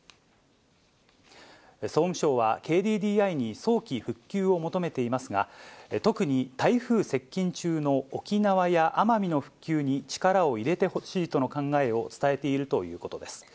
総務省は、ＫＤＤＩに早期復旧を求めていますが、特に台風接近中の沖縄や奄美の復旧に力を入れてほしいとの考えを伝えているということです。